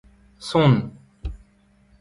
son